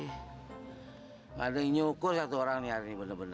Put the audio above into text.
gak ada yang nyukur satu orang hari ini bener bener